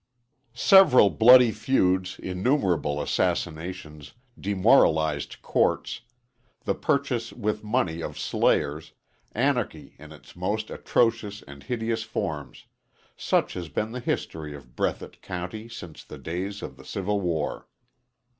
Several bloody feuds, innumerable assassinations, demoralized courts, the purchase with money of slayers, anarchy in its most atrocious and hideous forms such has been the history of Breathitt County since the days of the Civil War.